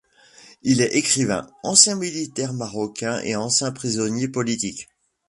Il est écrivain, ancien militaire marocain et ancien prisonnier politique.